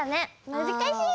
むずかしい！